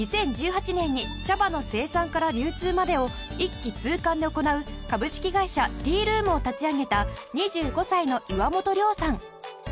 ２０１８年に茶葉の生産から流通までを一気通貫で行う株式会社ＴｅａＲｏｏｍを立ち上げた２５歳の岩本涼さん。